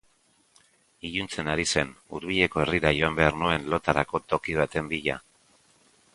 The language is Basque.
Iluntzen ari zen, hurbileko herrira joan behar nuen lotarako toki baten bila.